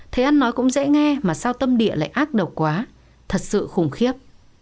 thấy ăn nói cũng dễ nghe mà sao tâm địa lại ác độc quá thật sự khủng khiếp